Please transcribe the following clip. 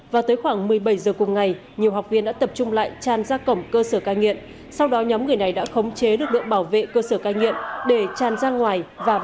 và tới khoảng một mươi bảy giờ cùng ngày nhiều học viên đã tập trung lại tràn ra cổng cơ sở cai nghiện sau đó nhóm người này đã khống chế lực lượng bảo vệ cơ sở cai nghiện để tràn ra ngoài và bỏ trốn